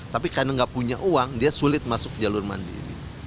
tapi karena nggak punya uang dia sulit masuk jalur mandiri